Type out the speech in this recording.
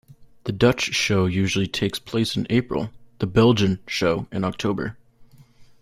The Dutch show usually takes place in April; the Belgian show in October.